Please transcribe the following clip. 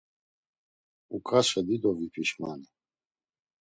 Uǩaçxe dido vipişmani…